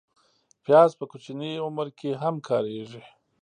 پیاز په کوچني عمر کې هم کارېږي